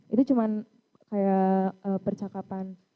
itu cuma kayak percakapan